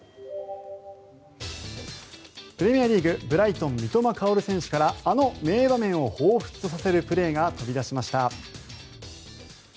プレミアリーグブライトン、三笘薫選手からあの名場面をほうふつとさせるプレーが飛び出しました。